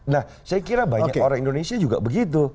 nah saya kira banyak orang indonesia juga begitu